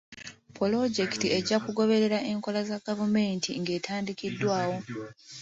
Pulojekiti ejja kugoberera enkola za gavumenti ng'etandikiddwawo.